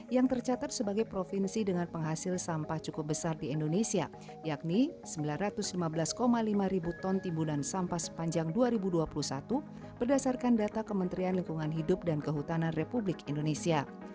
yang tercatat sebagai provinsi dengan penghasil sampah cukup besar di indonesia yakni sembilan ratus lima belas lima ribu ton timbunan sampah sepanjang dua ribu dua puluh satu berdasarkan data kementerian lingkungan hidup dan kehutanan republik indonesia